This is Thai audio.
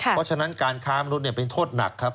เพราะฉะนั้นการค้ามนุษย์เป็นโทษหนักครับ